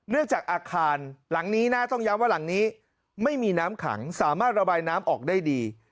จากอาคารหลังนี้นะต้องย้ำว่าหลังนี้ไม่มีน้ำขังสามารถระบายน้ำออกได้ดี